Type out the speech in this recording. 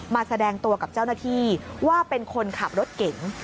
แสดงตัวกับเจ้าหน้าที่ว่าเป็นคนขับรถเก๋ง